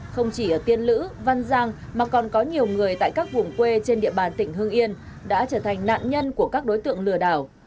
không chỉ ở tiên lữ văn giang mà còn có nhiều người tại các vùng quê trên địa bàn tỉnh hương yên đã trở thành nạn nhân của các đối tượng lừa đảo